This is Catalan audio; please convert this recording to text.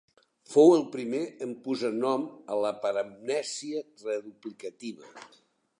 Fou el primer en posar nom a la paramnèsia reduplicativa.